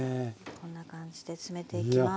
こんな感じで詰めていきます。